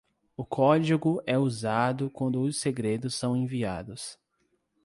O código é usado quando os segredos são enviados.